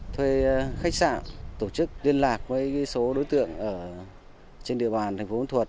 thuê khách sạn tổ chức liên lạc với số đối tượng trên địa bàn thành phố thuật